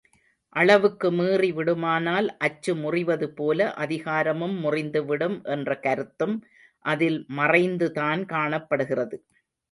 அளவுக்கு மீறி விடுமானால் அச்சு முறிவதுபோல அதிகாரமும் முறிந்துவிடும் என்ற கருத்தும், அதில் மறைந்துதான் காணப்படுகிறது.